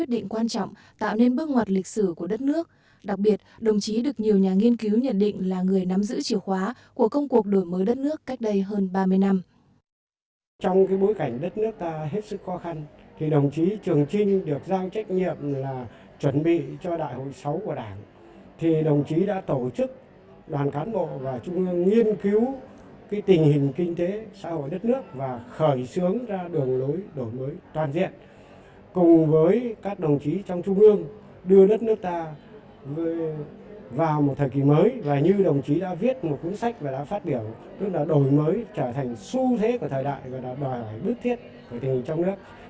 đặc biệt đồng chí được nhiều nhà nghiên cứu nhận định là người nắm giữ chìa khóa của công cuộc đổi mới đất nước cách đây hơn ba mươi năm